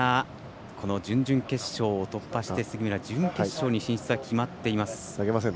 この準々決勝を突破して杉村、準決勝に進出は決まっています。